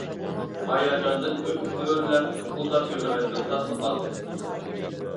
ھاياجاندىن ئۆپكىسى ئۆرلەپ بۇقۇلداپ يىغلىۋەتكىلى تاسلا قالدى.